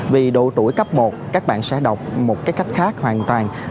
vì độ tuổi cấp một các bạn sẽ đọc một cái cách khác hoàn toàn